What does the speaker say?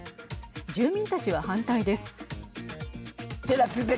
住民たちは反対です。